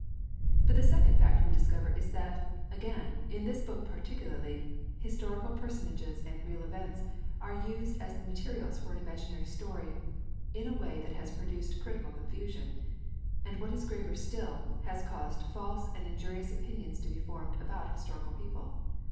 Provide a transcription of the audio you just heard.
But the second fact we discover is that, again, in this book particularly, historical personages and real events are used as the materials for an imaginary story, in a way that has produced critical confusion: and what is graver still has caused false and injurious opinions to be formed about historical people.